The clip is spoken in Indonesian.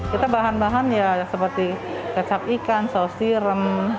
kita bahan bahan ya seperti kecap ikan saus sirem